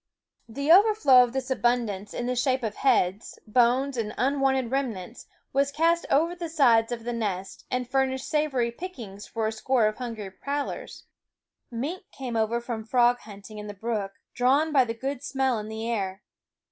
The overflow of this abundance, 77 the Fishhawk SCHOOL OF 78 in the shape of heads, bones, and unwanted remnants, was cast over the sides of the nest ffie Fishhawk and furnished savory pickings for a score of hungry prowlers. Mink came over from frog hunting in the brook, drawn by the good smell in the air.